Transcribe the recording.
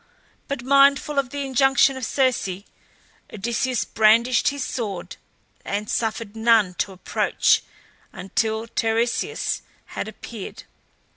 But mindful of the injunction of Circe, Odysseus brandished his sword, and suffered none to approach until Tiresias had appeared.